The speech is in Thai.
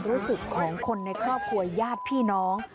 คุณผู้ชมคุณผู้ชมคุณผู้ชม